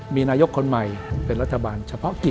มีนายกคนใหม่เป็นรัฐบาลเฉพาะกิจ